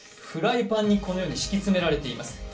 フライパンにこのように敷き詰められています。